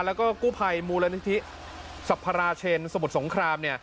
แล้วก็กู้ภัยมูลนิธิสัพราเชนสมุทรสงคราม